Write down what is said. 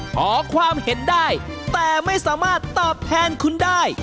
ขอความเห็นได้แต่ไม่สามารถตอบแทนคุณได้